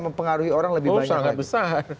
mempengaruhi orang lebih banyak lagi oh sangat besar